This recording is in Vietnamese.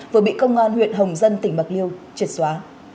vừa bị công an huyện hồng dân tỉnh bạc liêu triệt xóa